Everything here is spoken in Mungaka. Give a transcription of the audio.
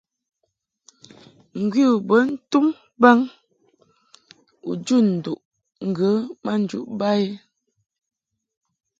Ŋgwi u bə ntum baŋ u jun nduʼ ŋgə ma njuʼ ba i.